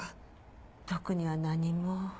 特には何も。